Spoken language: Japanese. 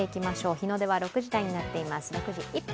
日の出は６時台になっています、６時１分。